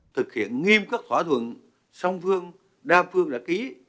thực hiện nghiêm cấp hỏa thuận song phương đa phương đã ký